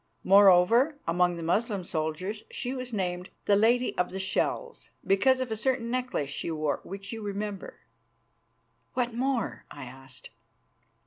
Moreover, among the Moslem soldiers she was named 'the Lady of the Shells,' because of a certain necklace she wore, which you will remember." "What more?" I asked.